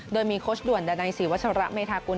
โดยมีโคชด่วนดันในสิวชระเมธากุล